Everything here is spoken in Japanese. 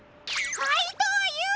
かいとうＵ！